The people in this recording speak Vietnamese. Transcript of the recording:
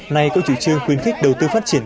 nay có chủ trương khuyến khích đầu tư phát triển